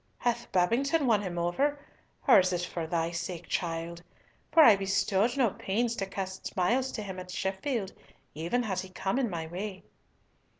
Hath Babington won him over; or is it for thy sake, child? For I bestowed no pains to cast smiles to him at Sheffield, even had he come in my way."